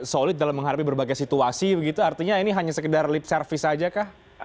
solid dalam menghadapi berbagai situasi begitu artinya ini hanya sekedar lip service saja kah